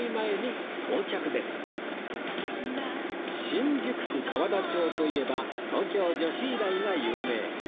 新宿区河田町といえば東京女子医大が有名